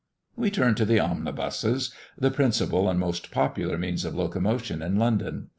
We turn to the omnibuses, the principal and most popular means of locomotion in London.